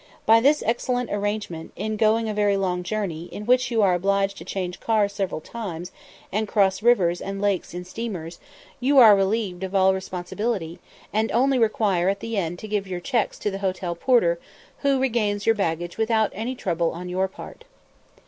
By this excellent arrangement, in going a very long journey, in which you are obliged to change cars several times, and cross rivers and lakes in steamers, you are relieved of all responsibility, and only require at the end to give your checks to the hotel porter, who regains your baggage without any trouble on your part.